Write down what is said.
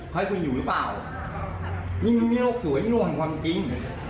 ขอให้คุณอยู่หรือเปล่ามีโรคสวยมีโรคความจริง